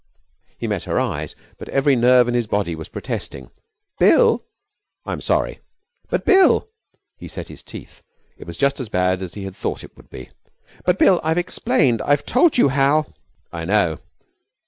He met her eyes, but every nerve in his body was protesting. 'Bill!' 'I'm sorry. 'But, Bill!' He set his teeth. It was just as bad as he had thought it would be. 'But, Bill, I've explained. I've told you how ' 'I know.'